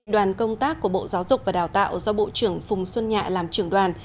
đoàn công tác của bộ giáo dục và đào tạo do bộ trưởng phùng xuân nhạ làm trưởng đoàn